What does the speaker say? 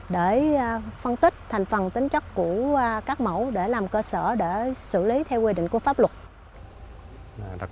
để phân tích thành phần tính chất của các mẫu để làm cơ sở để xử lý theo quy định của pháp luật